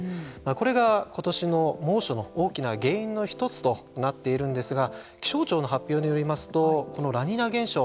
これが、ことしの猛暑の大きな原因の一つとなっているんですが気象庁の発表によりますとこのラニーニャ現象